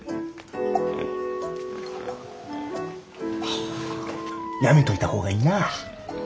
はぁやめといた方がいいな。